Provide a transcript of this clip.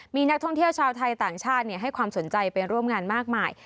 มีนักท่องเที่ยวชาวไทยต่างชาติให้ความสนใจไปร่วมงานมากมาย